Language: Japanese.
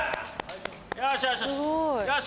よしよし